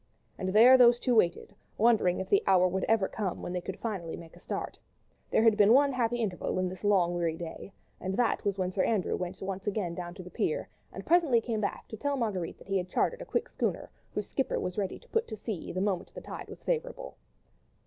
And there those two waited, wondering if the hour would ever come when they could finally make a start. There had been one happy interval in this long weary day, and that was when Sir Andrew went down once again to the pier, and presently came back to tell Marguerite that he had chartered a quick schooner, whose skipper was ready to put to sea the moment the tide was favourable.